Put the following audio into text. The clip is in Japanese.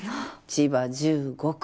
千葉１５区。